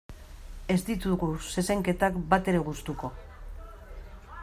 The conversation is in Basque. Ez ditugu zezenketak batere gustuko.